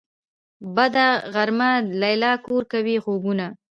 بده غرمه ده ليلا کور کوي خوبونه